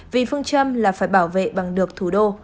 vì phương châm là phải bảo vệ bằng được thủ đô